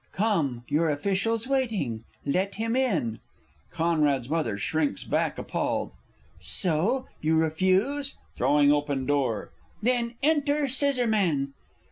Come, your official's waiting let him in! [C's M. shrinks back appalled. So? you refuse! (throwing open door) then enter, Scissorman!